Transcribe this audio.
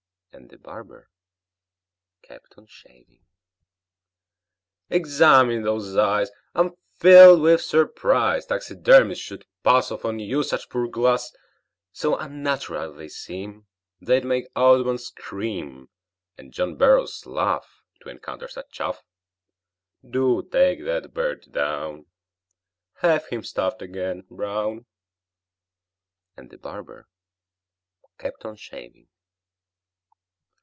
And the barber kept on shaving. "Examine those eyes. I'm filled with surprise Taxidermists should pass Off on you such poor glass; So unnatural they seem They'd make Audubon scream, And John Burroughs laugh To encounter such chaff. Do take that bird down; Have him stuffed again, Brown!" And the barber kept on shaving.